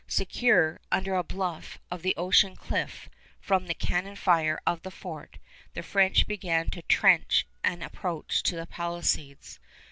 Secure, under a bluff of the ocean cliff, from the cannon fire of the fort, the French began to trench an approach to the palisades.